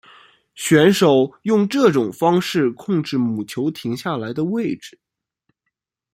选手用这种方式控制母球停下来的位置。